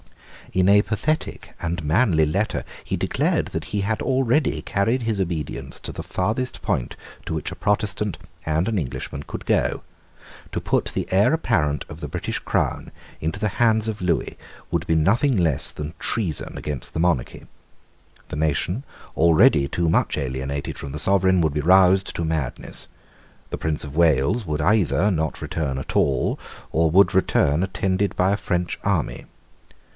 In a pathetic and manly letter he declared that he had already carried his obedience to the farthest point to which a Protestant and an Englishman could go. To put the heir apparent of the British crown into the hands of Lewis would be nothing less than treason against the monarchy. The nation, already too much alienated from the Sovereign, would be roused to madness. The Prince of Wales would either not return at all, or would return attended by a French army.